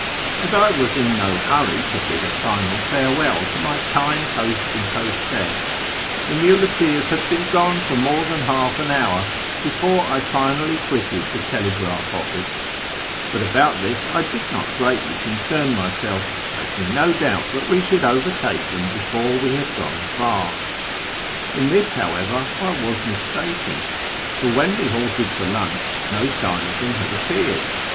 As I was in no hurry to bid a final farewell to my kind host and hostess, the muleteers had been gone for more than half an hour before I finally quitted the telegraph office ; but about this I did not greatly concern myself, making no doubt that we should overtake them before we had gone far. In this, however, I was mistaken ; for when we halted for lunch, no sign of them had appeared.